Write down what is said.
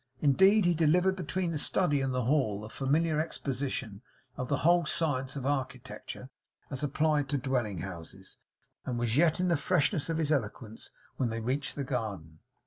Indeed, he delivered, between the study and the hall, a familiar exposition of the whole science of architecture as applied to dwelling houses, and was yet in the freshness of his eloquence when they reached the garden.